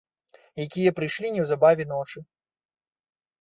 Якія прыйшлі неўзабаве ночы!